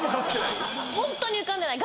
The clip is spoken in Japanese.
ホントに浮かんでない。